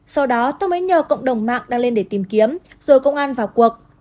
sau đó tôi mới nhờ cộng đồng mạng đang lên để tìm kiếm rồi công an vào cuộc